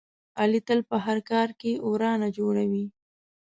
علي تل په هر کار کې ورانه جوړوي.